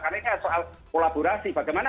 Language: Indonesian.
karena ini soal kolaborasi bagaimana